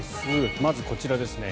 まずこちらですね。